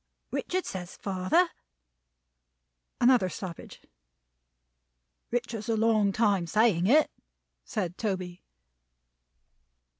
"Richard says, father " Another stoppage. "Richard's a long time saying it," said Toby.